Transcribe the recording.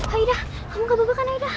aida kamu kebuka kan aida